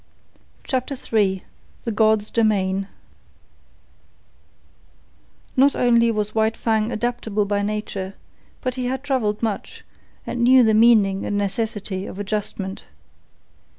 CHAPTER III THE GOD'S DOMAIN Not only was White Fang adaptable by nature, but he had travelled much, and knew the meaning and necessity of adjustment.